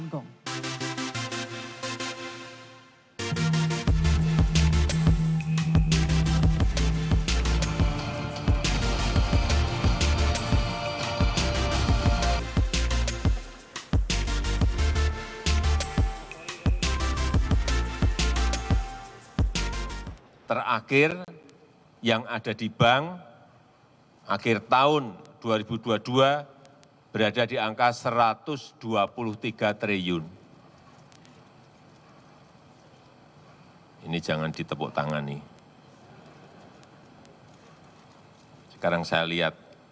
harian itu kita lihat